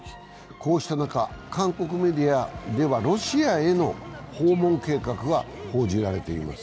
こうした中、韓国メディアではロシアへの訪問計画が報じられています。